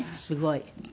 すごい。